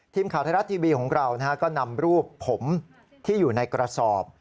ทีมข่าวไทยรัฐทีวีของเราก็นำรูปผมที่อยู่ในกระสอบ